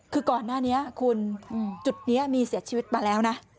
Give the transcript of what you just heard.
คือก่อนหน้านี้คุณจุดนี้มีเสียชีวิตมาแล้วนะ